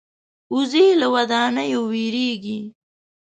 وزې له ودانیو وېرېږي